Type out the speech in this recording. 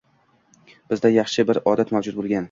Bizda yaxshi bir odat mavjud bo‘lgan.